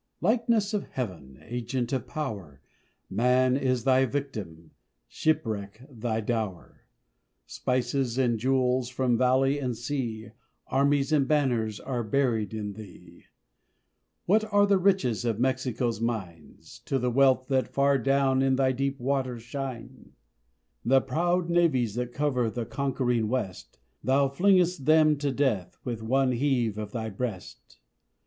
Likeness of Heaven! Agent of power; Man is thy victim, Shipwreck thy dower! Spices and jewels From valley and sea, Armies and banners, Are buried in thee! What are the riches Of Mexico's mines, To the wealth that far down In thy deep waters shine? The proud navies that cover The conquering west Thou fling'st them to death With one heave of thy breast!